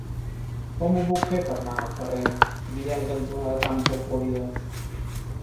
Com ho puc fer per anar al carrer Guillem cantonada Campo Florido?